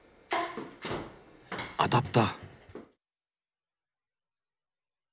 当たった。